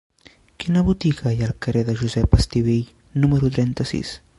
Quina botiga hi ha al carrer de Josep Estivill número trenta-sis?